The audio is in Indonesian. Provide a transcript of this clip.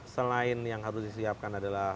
selain yang harus disiapkan adalah